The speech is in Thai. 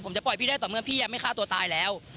ผมจะปล่อยพี่ได้ต่อเมื่อพี่ยังไม่ฆ่าตัวตายแล้ว